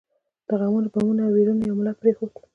د غمونو، بمونو او ويرونو یو ملت پرېښود.